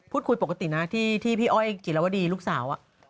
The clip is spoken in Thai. พูดคุยปกตินะที่พี่อ้อยกิรวดีลูกสาว